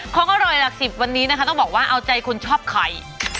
ของอร่อยหลักสิบวันนี้นะคะต้องบอกว่าเอาใจคนชอบไข่